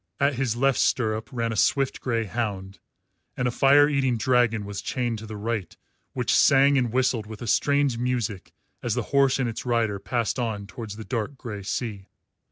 At his left stirrup ran a swift grey hound, and a fire eating dragon was chained to the right which sang and whistled with a strange music as the horse and its rider passed on towards the dark grey sea.